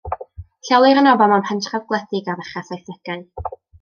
Lleolir y nofel mewn pentref gwledig ar ddechrau'r saithdegau.